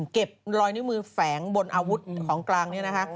เก็บรอยนิ้วมือแฝงบนอาวุธของกลางนี้นะคะ